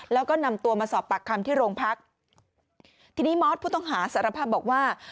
แล้วก็นำตัวมาสอบปากคำที่โรงพักทีนี้มอสผู้ต้องหาสารภาพบอกว่า